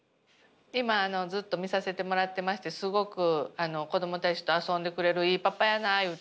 今あのずっと見させてもらってましてすごく子どもたちと遊んでくれるいいパパやなあ